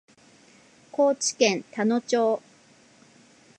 高知県田野町